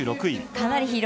２６位。